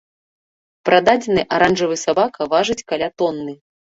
Прададзены аранжавы сабака важыць каля тоны.